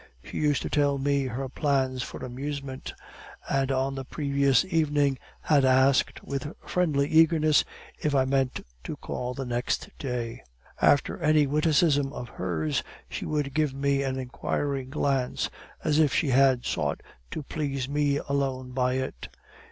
She used to tell me her plans for amusement, and on the previous evening had asked with friendly eagerness if I meant to call the next day. After any witticism of hers, she would give me an inquiring glance, as if she had sought to please me alone by it.